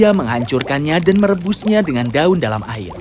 dan julia menghancurkannya dan merebusnya dengan daun dalam air